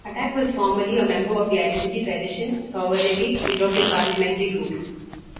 Attack was formerly a member of the Identity, Tradition, Sovereignty European parliamentary group.